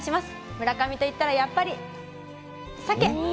村上といったら、やっぱり鮭。